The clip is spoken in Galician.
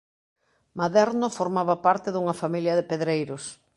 Maderno formaba parte dunha familia de pedreiros.